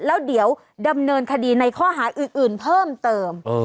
แล้วเดี๋ยวดำเนินคดีในข้อหาอื่นเพิ่มเติม